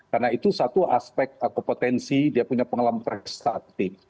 karena itu satu aspek atau potensi dia punya pengalaman prestatif